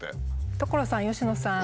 所さん佳乃さん。